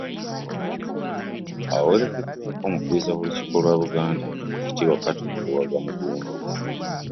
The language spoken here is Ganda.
Awerekeddwako omukubiriza w'Olukiiko lwa Buganda, Oweekitiibwa Patrick Luwaga Mugumbule